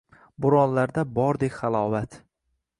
Bo‘ronlarda bordek halovat.